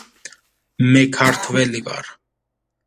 მე ქართველი ვარ.